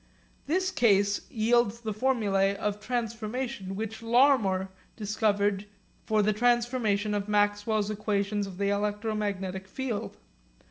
This case yields the formulae of transformation which Larmor discovered for the transformation of Maxwell's equations of the electromagnetic field.